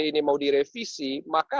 ini mau direvisi maka